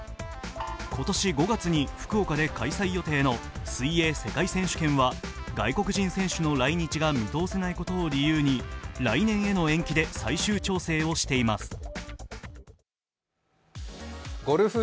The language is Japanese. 今年５月に福岡で開催予定の水泳世界選手権は外国人選手の来日が見通せないことを理由に来年への延期で最終調整をしています。